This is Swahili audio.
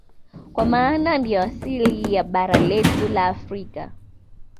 Kwa maana ndiyo asili ya bara letu la Afrika